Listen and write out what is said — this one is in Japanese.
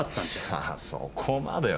さあそこまでは。